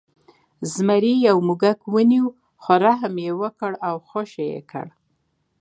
زمري یو موږک ونیو خو رحم یې وکړ او خوشې یې کړ.